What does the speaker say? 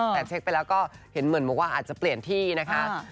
แต่เช็คไปแล้วก็เห็นเหมือนบอกว่าอาจจะเปลี่ยนที่นะคะ